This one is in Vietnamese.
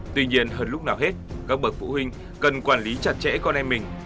tuy nhiên hơn lúc nào hết các bậc phụ huynh cần quản lý chặt chẽ con em mình